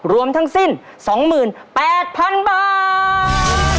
รวมทั้งสิ้น๒๘๐๐๐บาท